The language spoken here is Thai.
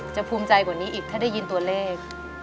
ภูมิใจกว่านี้อีกถ้าได้ยินตัวเลข